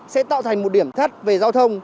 sẽ tạo thành một điểm thắt về giao thông